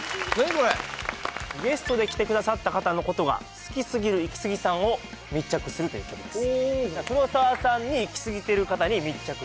これゲストで来てくださった方のことが好きすぎるイキスギさんを密着するという企画です